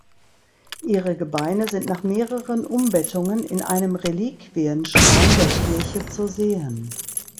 Ihre Gebeine sind nach mehreren Umbettungen in einem Reliquienschrein der Kirche zu sehen.